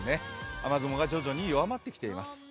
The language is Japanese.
雨雲が徐々に弱まってきています。